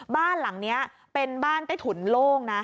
บ้านหลังนี้เป็นบ้านใต้ถุนโล่งนะ